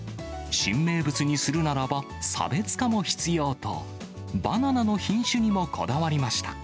新名物にするならば差別化も必要と、バナナの品種にもこだわりました。